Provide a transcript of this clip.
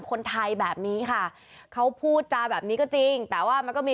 คนไทยแบบนี้ค่ะเขาพูดจาแบบนี้ก็จริงแต่ว่ามันก็มี